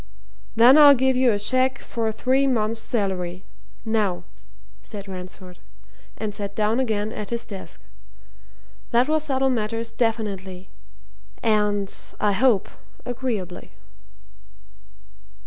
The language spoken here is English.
"Then I'll give you a cheque for three months' salary now," said Ransford, and sat down again at his desk. "That will settle matters definitely and, I hope, agreeably."